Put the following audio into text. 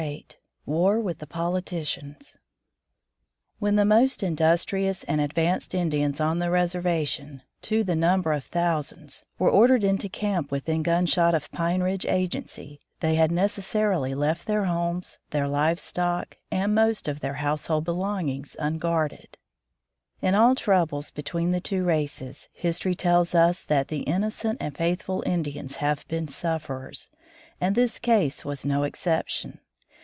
115 vm WAB WITH THE POLITICIANS "l^irHEN the most industrious and ad ^^ vanced Indians on the reservation, to the number of thousands, were ordered into camp within gunshot of Pine Ridge agency, they had necessarily left their homes, their live stock, and most of their household belongings unguarded. In all troubles be tween the two races, history tells us that the innocent and faithful Indians have been sufferers, and this case was no exception.